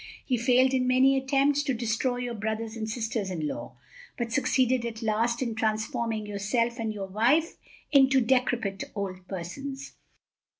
He failed in many attempts to destroy your brothers and sisters in law, but succeeded at last in transforming yourself and your wife into decrepit old persons.